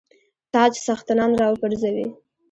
تاج څښتنان را وپرزوي.